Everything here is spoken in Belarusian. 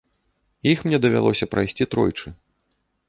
Іх мне давялося прайсці тройчы.